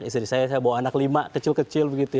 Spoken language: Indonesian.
istri saya bawa anak lima kecil kecil